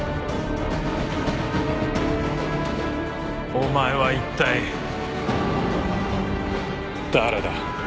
お前は一体誰だ？